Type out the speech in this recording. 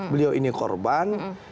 beliau ini korban